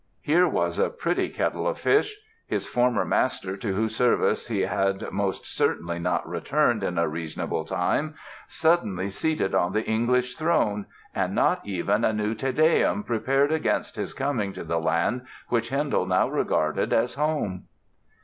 Here was a pretty kettle of fish! His former master to whose service he had most certainly not returned "in a reasonable time" suddenly seated on the English throne—and not even a new "Te Deum" prepared against his coming to the land which Handel now regarded as home!